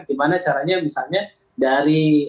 di mana caranya misalnya dari